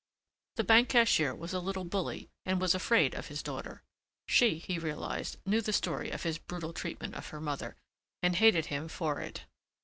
The bank cashier was a little bully and was afraid of his daughter. She, he realized, knew the story of his brutal treatment of her mother and hated him for it.